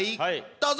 どうぞ！